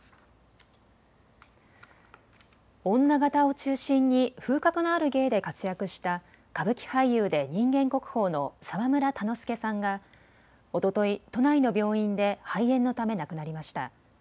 女方を中心に風格のある芸で活躍した歌舞伎俳優で人間国宝の澤村田之助さんがおととい都内の病院で肺炎のため亡くなりました。